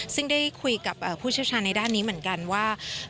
ซึ่งได้คุยกับผู้เชี่ยวชาญในด้านนี้เหมือนกันว่า